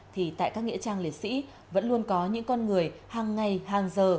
thì tại các nghĩa trang liệt sĩ vẫn luôn có những con người hàng ngày hàng giờ